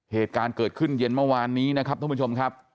เหตุการณ์เกิดขึ้นเย็นเมื่อวานนี้นะครับท่านผู้ชมครับ